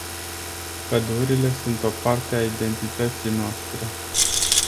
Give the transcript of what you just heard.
Pădurile sunt o parte a identității noastre.